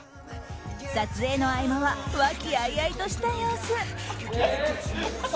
撮影の合間は和気あいあいとした様子。